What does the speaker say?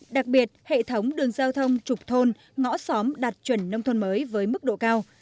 đặc biệt hệ thống đường giao thông trục thôn ngõ xóm đạt chuẩn nông thôn mới với mức độ cao